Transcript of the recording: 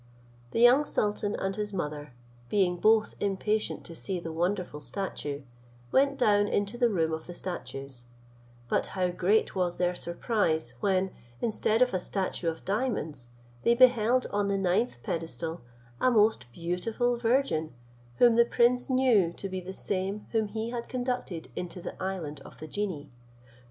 The young sultan and his mother, being both impatient to see the wonderful statue, went down into the room of the statues; but how great was their surprise, when, instead of a statue of diamonds, they beheld on the ninth pedestal a most beautiful virgin, whom the prince knew to be the same whom he had conducted into the island of the genii!